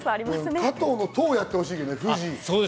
加藤の藤をやってほしいけどね。